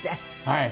はい。